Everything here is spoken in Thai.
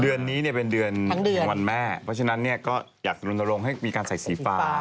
เดือนนี้เนี่ยเป็นเดือนวันแม่เพราะฉะนั้นเนี่ยก็อยากจะลนลงให้มีการใส่สีฟ้า